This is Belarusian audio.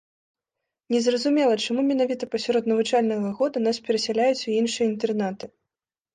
Незразумела, чаму менавіта пасярод навучальнага года нас перасяляюць у іншыя інтэрнаты.